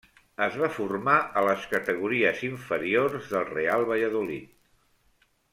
Es va formar a les categories inferiors del Real Valladolid.